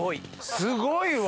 すごいわ！